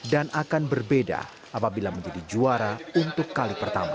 dan akan berbeda apabila menjadi juara untuk kali pertama